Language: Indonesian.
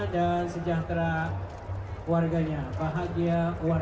dengan nikah pertama kalinya